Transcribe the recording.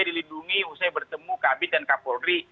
dilindungi usai bertemu kabit dan kapolri